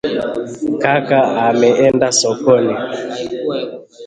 Kaka ameenda sokoni.